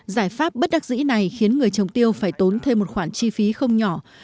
giải pháp bất đắc dĩ này khiến người trồng tiêu phải tốn thêm một khoản chi phí không nhỏ